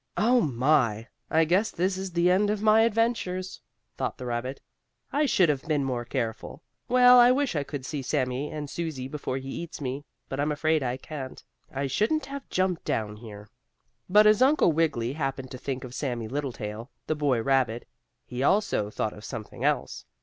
"Oh, my! I guess this is the end of my adventures," thought the rabbit. "I should have been more careful. Well, I wish I could see Sammie and Susie before he eats me, but I'm afraid I can't. I shouldn't have jumped down here." But as Uncle Wiggily happened to think of Sammie Littletail, the boy rabbit, he also thought of something else.